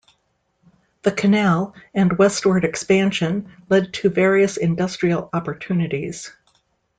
The canal and westward expansion led to various industrial opportunities.